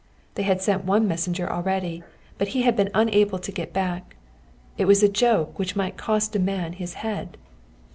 They had sent one messenger already, but he had been unable to get back. It was a joke which might cost a man his head.